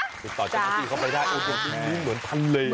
ติดต่อจากชาติเข้าไปได้อุทยานเปิดให้มุ่งเหมือนทันเลเลยนะ